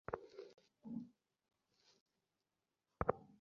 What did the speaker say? হিন্দ বললেন, বেশ লক্ষ্য রাখব।